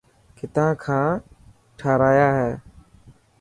ڪٿان کان ٺاهرايا هي.